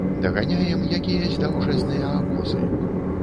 Даганяем якіясь даўжэнныя абозы.